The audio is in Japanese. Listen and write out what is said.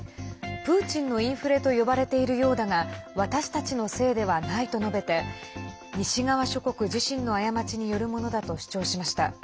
プーチンのインフレと呼ばれているようだが私たちのせいではないと述べて西側諸国自身の過ちによるものだと主張しました。